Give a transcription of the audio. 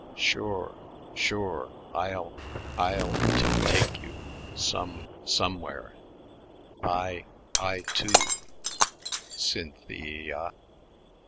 "Sure sure; I'll I'll ta take you some somewhere. I I, too, Cyntheea."